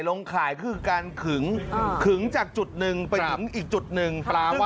ข่ายคือการขึงขึงจากจุดหนึ่งไปถึงอีกจุดหนึ่ง